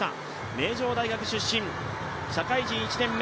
名城大学出身、社会人１年目